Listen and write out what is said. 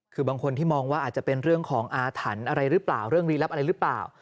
คือบางคนที่มองว่าอาจจะเป็นเรื่องของอาถรรพ์อะไรหรือเปล่าเรื่องลีลับอะไรหรือเปล่า